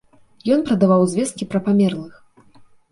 Ён прадаваў звесткі пра памерлых.